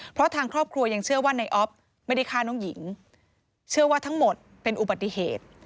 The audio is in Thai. เพราะทางครอบครัวยังเชื่อว่าในออฟไม่ได้ฆ่าน้องหญิงเชื่อว่าทั้งหมดเป็นอุบัติเหตุ